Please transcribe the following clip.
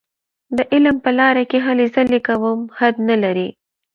د علم په لاره کې هلې ځلې کوم حد نه لري.